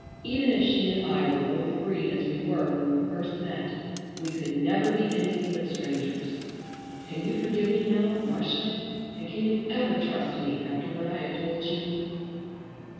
Even if she and I were both free as we were when we first met, we could never be anything but strangers. Can you forgive me now, Marcia, and can you ever trust me after what I have told you?"